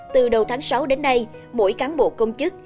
từ đầu tháng sáu đến nay mỗi cán bộ công chức